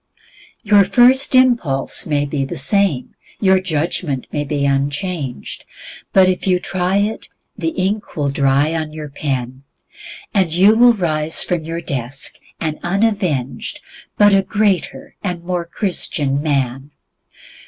Your first impulse may be the same, your judgment may be unchanged, but if you try it the ink will dry on your pen, and you will rise from your desk an unavenged, but a greater and more Christian man.